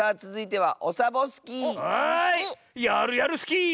はいやるやるスキー！